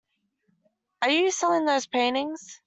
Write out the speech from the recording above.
Are you selling those paintings?